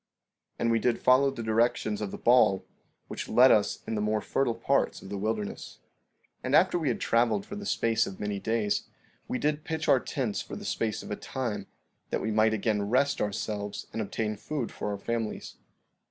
16:16 And we did follow the directions of the ball, which led us in the more fertile parts of the wilderness. 16:17 And after we had traveled for the space of many days, we did pitch our tents for the space of a time, that we might again rest ourselves and obtain food for our families.